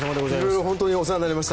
色々、本当にお世話になりました。